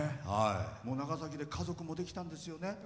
長崎で家族もできたんですよね。